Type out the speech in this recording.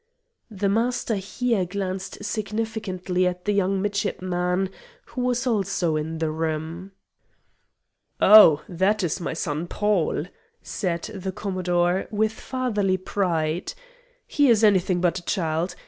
The Master here glanced significantly at the young midshipman who was also in the room. "Oh, that is my son Paul," said the Commodore, with fatherly pride. "He is anything but a child.